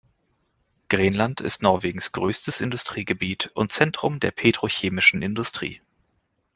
Grenland ist Norwegens größtes Industriegebiet und Zentrum der petrochemischen Industrie.